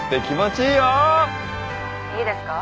いいですか？